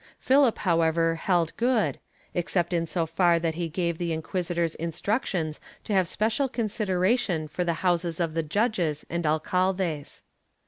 Philip, however, held good, except in so far that he gave the inquisitors instructions to have special considera tion for the houses of the judges and alcaldes.